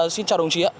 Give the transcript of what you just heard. xin chào đồng chí ạ